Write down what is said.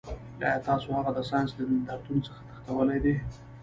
ایا تاسو هغه د ساینس له نندارتون څخه تښتولی دی